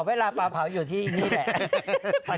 เวลาปลาเผาอยู่ที่นี่แหละ